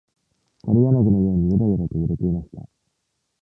枯れ柳のようにゆらゆらと揺れていました。